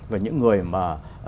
và những người mà